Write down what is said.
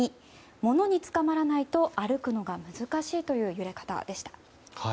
物につかまらないと歩くのが難しいという揺れ方でした。